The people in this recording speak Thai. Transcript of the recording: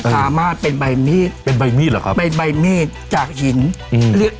สามารถเป็นใบมีดเป็นใบมีดเหรอครับเป็นใบมีดจากหินอืมเรียก